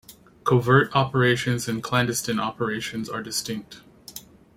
Covert operations and clandestine operations are distinct.